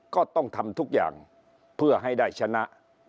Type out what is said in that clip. ก็ต้องทำทุกอย่างเพื่อให้ได้ชนะ